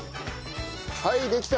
はいできた。